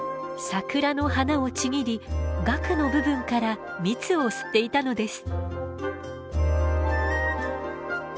桜の花をちぎりがくの部分から蜜を吸っていたのです。